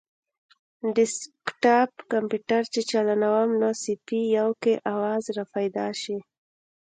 ډیسکټاپ کمپیوټر چې چالانووم نو سي پي یو کې اواز راپیدا شي